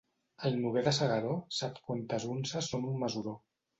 El Noguer de S'Agaró sap quantes unces són un mesuró.